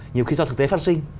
nhiều khi do thực tế phát sinh